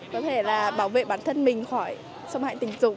có thể là bảo vệ bản thân mình khỏi xâm hại tình dục